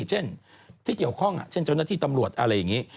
เช่นที่เกี่ยวข้องเช่นเจ้าหน้าที่ตำรวจอะไรอย่างนี้